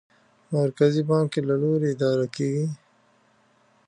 مرکزي بانک یې له لوري اداره کېږي.